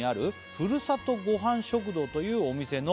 「ふるさとゴハン食堂というお店の」